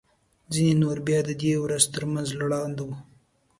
ځینې نور بیا د دې دوو تر منځ لړزانده وو.